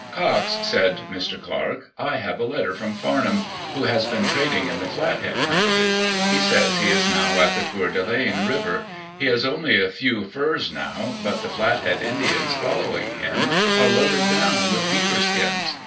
" Cox," said Mr. Clark, " I have a letter from Farnham, who has been trading in the Flathead country. He says he is now at the Coeur d'Alene River. He has only a few furs now, but the Flathead Indians following him are loaded down with beaver skins.